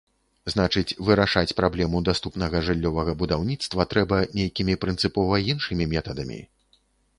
Значыць, вырашаць праблему даступнага жыллёвага будаўніцтва трэба нейкімі прынцыпова іншымі метадамі.